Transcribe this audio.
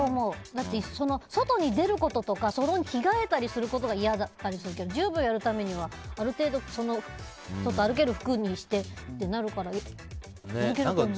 だって外に出ることとか着替えたりすることが嫌だったりするけど１０秒やるためには、ある程度歩ける服にしてってなるから続けると思う。